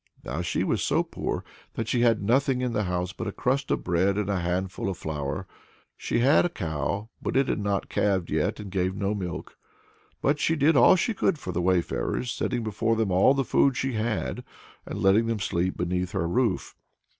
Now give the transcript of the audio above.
Now she was so poor that she had nothing in the house but a crust of bread and a handful of flour. She had a cow, but it had not calved yet, and gave no milk. But she did all she could for the wayfarers, setting before them all the food she had, and letting them sleep beneath her roof.